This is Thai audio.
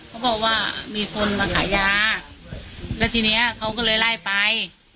เขาบอกว่ามีคนมาขายยาแล้วทีเนี้ยเขาก็เลยไล่ไป